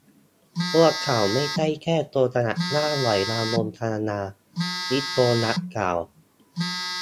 พวกเขาไม่ใช่แค่ โจรสลัดล่าหอยนางรมธรรมดา นิโคลัสกล่าว